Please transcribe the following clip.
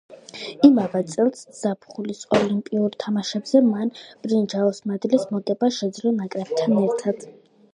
იმავე წელს ზაფხულის ოლიმპიურ თამაშებზე მან ბრინჯაოს მედლის მოგება შეძლო ნაკრებთან ერთად.